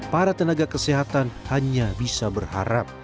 para tenaga kesehatan hanya bisa berharap